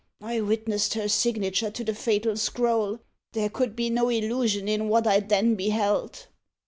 I witnessed her signature to the fatal scroll. There could be no illusion in what I then beheld."